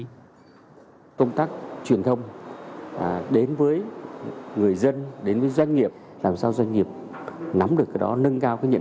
nếu chúng ta có thể triển khai được làm sao mang lại lý tưởng cao nhất